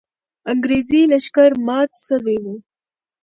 انګریزي لښکر مات سوی وو.